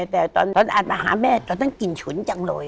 แต่ตอนอาจมาหาแม่ตอนนั้นกลิ่นฉุนจังเลย